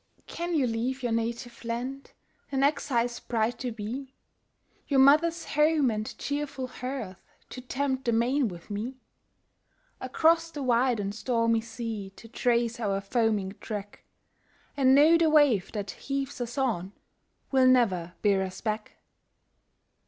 can you leave your native land An exile's bride to be; Your mother's home, and cheerful hearth, To tempt the main with me; Across the wide and stormy sea To trace our foaming track, And know the wave that heaves us on Will never bear us back?